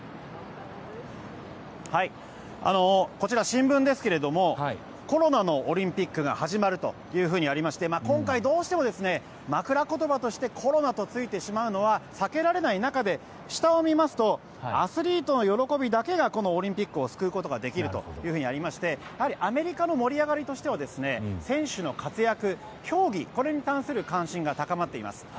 こちら、新聞ですがコロナのオリンピックが始まるというふうにありまして今回どうしても枕詞としてコロナとついてしまうのは避けられない中で下を見ますとアスリートの喜びだけがこのオリンピックを救うことができるというふうにありましてやはりアメリカの盛り上がりとしては、選手の活躍競技、これに関する関心が高まっています。